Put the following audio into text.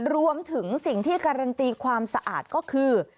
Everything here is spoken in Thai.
รวมถึงสิ่งที่การันตีความสะอาดก็คือ